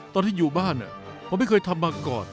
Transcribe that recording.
ตอนที่อยู่บ้านผมไม่เคยทำมาก่อน